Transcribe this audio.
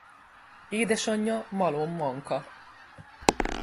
Édesanyja Malom Manka.